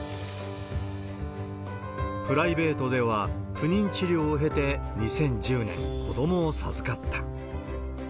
プライベートでは不妊治療を経て２０１０年、子どもを授かった。